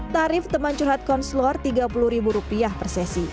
tarif teman curhat konslor rp tiga puluh per sesi